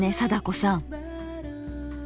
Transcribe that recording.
貞子さん。